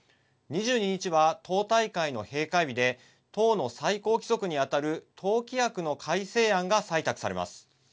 ２２日は党大会の閉会日で党の最高規則にあたる党規約の改正案が採択されます。